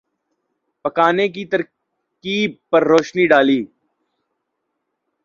پکانے کی ترکیب پر روشنی ڈالی